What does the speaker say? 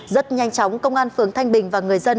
rất nhanh chóng công an phường thanh bình và người dân